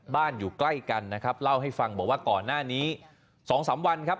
อยู่ใกล้กันนะครับเล่าให้ฟังบอกว่าก่อนหน้านี้๒๓วันครับ